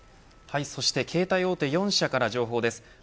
そして携帯大手４社から情報です。